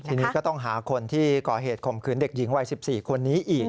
ทีนี้ก็ต้องหาคนที่ก่อเหตุข่มขืนเด็กหญิงวัย๑๔คนนี้อีก